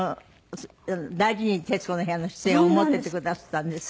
大事に『徹子の部屋』の出演を思っていてくだすったんですってね。